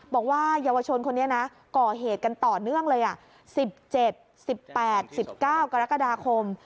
บอกว่าเยาวชนคนนี้นะก่อเหตุกันต่อเนื่องเลย๑๗๑๘๑๙กรกฎาคม